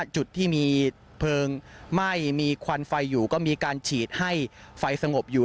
จุดที่มีเพลิงไหม้มีควันไฟอยู่ก็มีการฉีดให้ไฟสงบอยู่